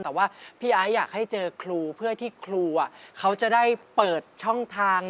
แต่ว่าพี่ไอ้อยากให้เจอครูเพื่อที่ครูเขาจะได้เปิดช่องทาง